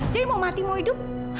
jadi mau mati mau hidup